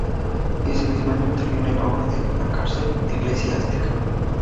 Ese mismo año interviene en la obra de la cárcel eclesiástica.